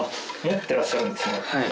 持ってらっしゃるんですね。